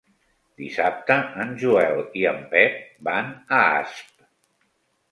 Dissabte en Joel i en Pep van a Asp.